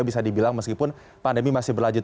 bisa dibilang meskipun pandemi masih berlanjut